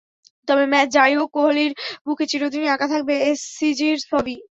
তবে ম্যাচে যা-ই হোক, কোহলির বুকে চিরদিনই আঁকা থাকবে এসসিজির ছবি।